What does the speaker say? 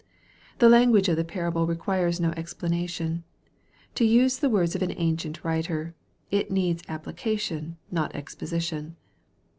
The language of the parable requires no explanation. To use the words of an ancient writer, " it needs appli cation, not exposition."